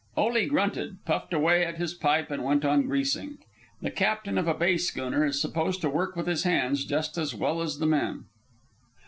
Ole grunted, puffed away at his pipe, and went on greasing. The captain of a bay schooner is supposed to work with his hands just as well as the men.